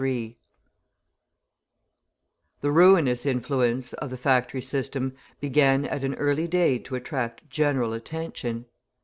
The ruinous influence of the factory system began at an early day to attract general attention.